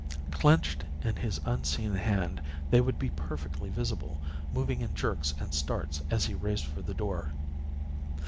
Clenched in his unseen hand, they would be perfectly visible, moving in jerks and starts as he raced for the door.